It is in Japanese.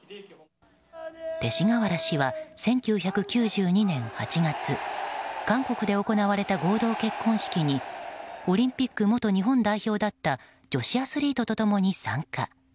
勅使河原氏は１９９２年８月韓国で行われた合同結婚式にオリンピック元日本代表だった女子アスリートと共に参加。